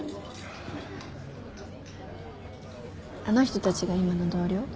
あの人たちが今の同僚？